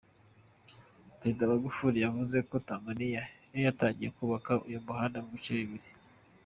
Perezida Magufuri yavuze ko Tanzania yo yatangiye kubaka uyu muhanda mu bice bibiri.